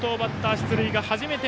出塁が初めて。